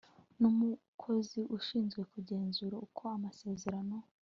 n umukozi ushizwe kugenzura uko amaserano